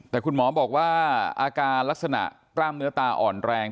แต่คุณหมอบอกว่าอาการลักษณะกล้ามเนื้อตาอ่อนแรง